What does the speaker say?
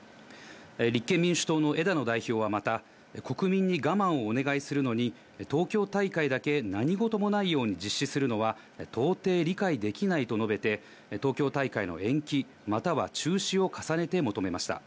立憲民主党の枝野代表はまた、国民に我慢をお願いするのに、東京大会だけ何事もないように実施するのは到底理解できないと述べて、東京大会の延期、または中止を重ねて求めました。